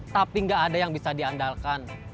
tapi nggak ada yang bisa diandalkan